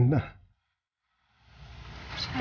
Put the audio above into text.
saya sudah selesai mencari rena